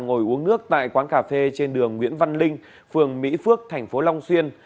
ngồi uống nước tại quán cà phê trên đường nguyễn văn linh phường mỹ phước thành phố long xuyên